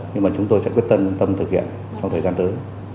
nhưng mà chúng tôi sẽ quyết tâm tâm thực hiện trong thời gian tới